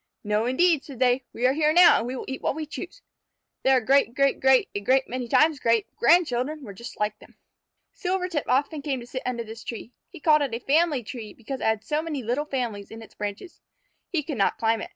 "No, indeed," said they; "we are here now, and we will eat what we choose." Their great great great a great many times great grandchildren were just like them. Silvertip often came to sit under this tree. He called it a family tree, because it had so many little families in its branches. He could not climb it.